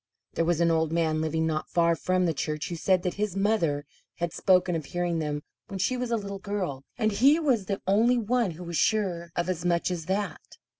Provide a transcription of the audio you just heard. There was an old man living not far from the church who said that his mother had spoken of hearing them when she was a little girl, and he was the only one who was sure of as much as that.